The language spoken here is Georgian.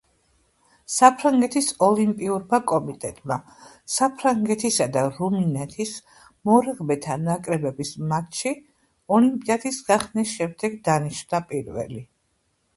საფრანგეთის ოლიმპიურმა კომიტეტმა საფრანგეთისა და რუმინეთის მორაგბეთა ნაკრებების მატჩი ოლიმპიადის გახსნის შემდეგ დანიშნა პირველი.